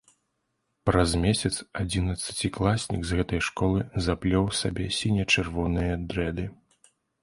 Праз месяц адзінаццацікласнік з гэтай школы заплёў сабе сіне-чырвоныя дрэды.